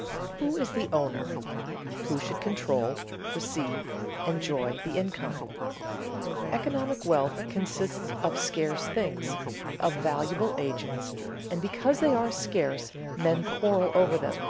_ Who is the owner, who should control, receive, enjoy the income? Economic wealth consists of scarce things, of valuable agents, and because they are scarce, men quarrel over them.